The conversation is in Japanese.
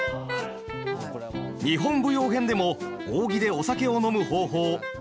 日本舞踊編でも扇でお酒を飲む方法学びましたよね。